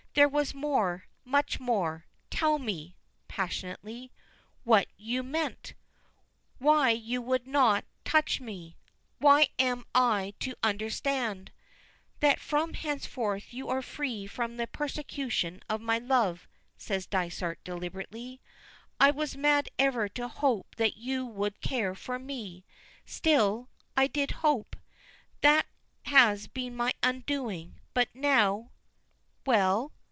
"There was more much more! Tell me" passionately "what you meant. Why would you not touch me? What am I to understand " "That from henceforth you are free from the persecution of my love," says Dysart deliberately. "I was mad ever to hope that you could care for me still I did hope. That has been my undoing. But now " "Well?"